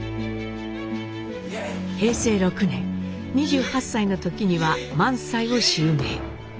平成６年２８歳の時には萬斎を襲名。